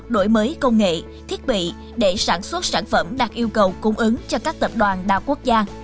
đổi mới công nghệ thiết bị để sản xuất sản phẩm đạt yêu cầu cung ứng cho các tập đoàn đa quốc gia